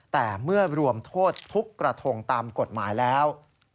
แต่เมื่อรวมโทษทุกกระทงตามกฎหมายแล้ว